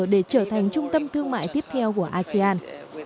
để trở thành trung tâm thương mại tiếp theo của asean